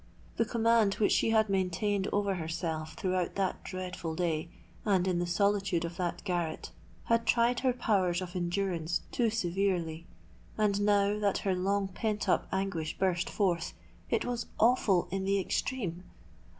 The command which she had maintained over herself throughout that dreadful day, and in the solitude of that garret, had tried her powers of endurance too severely; and now that her long pent up anguish burst forth, it was awful in the extreme.